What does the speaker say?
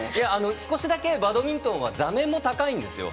少しだけバドミントンは座面も高いんですよ。